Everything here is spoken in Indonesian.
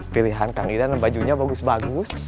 pilihan kang idan bajunya bagus bagus